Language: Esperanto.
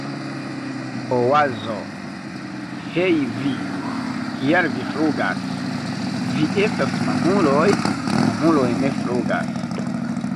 Oazo: "Hej vi! Kial vi flugas? Vi estas mamuloj! Mamuloj ne flugas!"